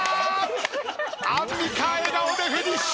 アンミカ笑顔でフィニッシュ！